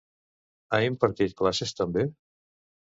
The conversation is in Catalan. Ha impartit classes també?